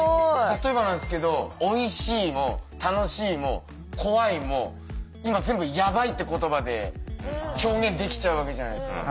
例えばなんですけど「おいしい」も「楽しい」も「怖い」も今全部「やばい」って言葉で表現できちゃうわけじゃないですか。